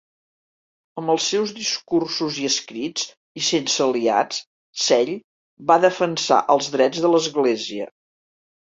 Amb els seus discursos i escrits i sense aliats, Zell va defensar els drets de l'Església.